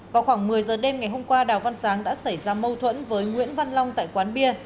vào khoảng một mươi giờ đêm ngày hôm qua đào văn sáng đã xảy ra mâu thuẫn với nguyễn văn long tại quán bia